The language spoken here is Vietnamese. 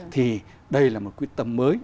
thì đây là một quyết tâm mới